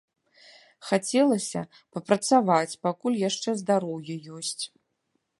Хацелася папрацаваць, пакуль яшчэ здароўе ёсць.